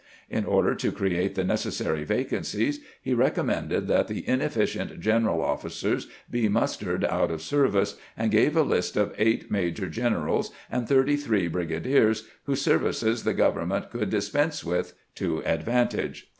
In order to create the necessary vacancies, he recommended that the inefficient general officers be mustered out of service, and gave a list of eight major generals and thirty three brigadiers whose services the government could dispense with to advantage.